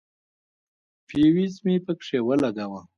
فيوز مې پکښې ولګاوه.